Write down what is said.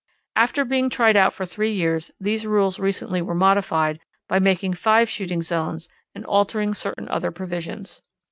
After being tried out for three years these rules recently were modified by making five shooting zones and altering certain other provisions.